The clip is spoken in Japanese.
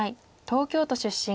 東京都出身。